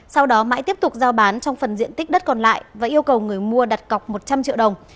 sau đó mãi tiếp tục giao bán trong phần diện tích đất còn lại và yêu cầu người mua đặt cọc một trăm linh triệu đồng